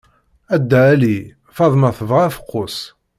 A Dda Ɛli! Faḍma tebɣa afeqqus.